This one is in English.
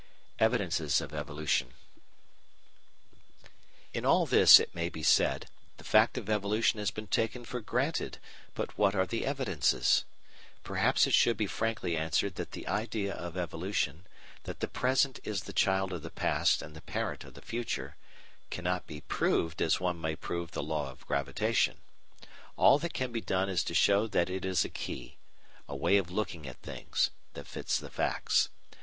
Evidences of Evolution In all this, it may be said, the fact of evolution has been taken for granted, but what are the evidences? Perhaps it should be frankly answered that the idea of evolution, that the present is the child of the past and the parent of the future, cannot be proved as one may prove the Law of Gravitation. All that can be done is to show that it is a key a way of looking at things that fits the facts.